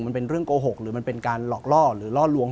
มันเป็นเรื่องโกหกหรือมันเป็นการหลอกล่อหรือล่อลวง